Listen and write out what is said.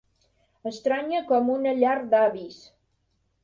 Estranya com una llar d'avis.